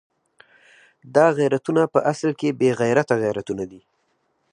دا غیرتونه په اصل کې بې غیرته غیرتونه دي.